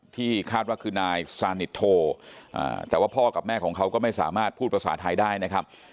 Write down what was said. ที่คาดว่าคือนายซานิทโทแต่ว่าพ่อกับแม่ของเขาก็ไม่สามารถพูดภาษาไทยได้นะครับ